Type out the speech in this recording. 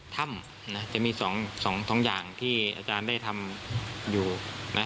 ถ้ำนะจะมี๒อย่างที่อาจารย์ได้ทำอยู่นะ